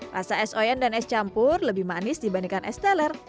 rasa es oyen dan es campur lebih manis dibandingkan es teler